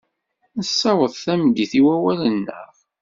Nessaweḍ tameddit i wawal-nneɣ.